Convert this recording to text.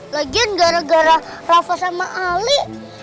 lagian gara gara rafa sama ali